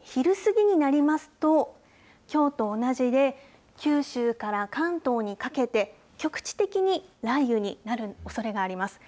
昼過ぎになりますと、きょうと同じで、九州から関東にかけて、局地的に雷雨になるおそれがあります。